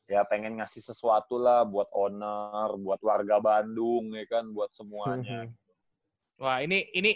ya pengen ngasih sesuatu lah buat owner buat warga bandung ikan buat semuanya wah ini ini